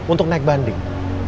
untuk naik banding